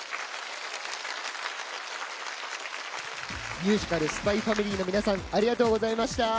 ミュージカル「ＳＰＹ×ＦＡＭＩＬＹ」の皆さんありがとうございました。